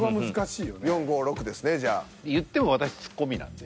４５６ですねじゃあ。いっても私ツッコミなんで。